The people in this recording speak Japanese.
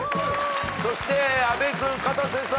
そして阿部君・かたせさん